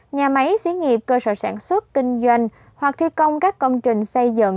nhà máy xí nghiệp cơ sở sản xuất kinh doanh hoặc thi công các công trình xây dựng